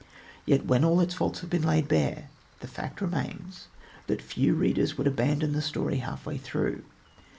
Yet when all its faults have been laid bare, the fact remains that few readers would abandon the story half way through.